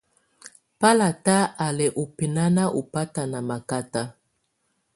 Bálátá á lɛ́ ɔ́ bɛ́naná ɔbáta ná mákáta.